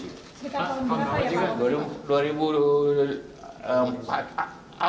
dekat tahun berapa ya pak